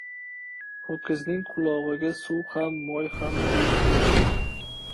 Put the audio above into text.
• Ho‘kizning qulog‘iga suv ham, moy ham quyib ko‘r